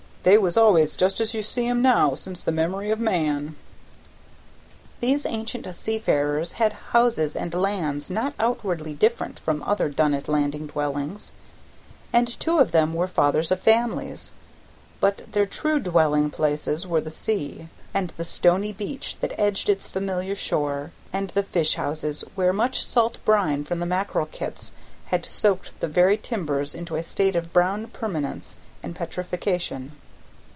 "They was always just as you see 'em now since the memory of man." These ancient seafarers had houses and lands not outwardly different from other Dunnet Landing dwellings, and two of them were fathers of families, but their true dwelling places were the sea, and the stony beach that edged its familiar shore, and the fish houses, where much salt brine from the mackerel kits had soaked the very timbers into a state of brown permanence and petrifaction.